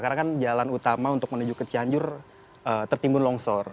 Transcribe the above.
karena kan jalan utama untuk menuju ke cianjur tertimbun longsor